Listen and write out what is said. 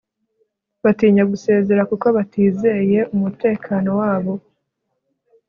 Batinya gusezera kuko batizeye umutekano wabo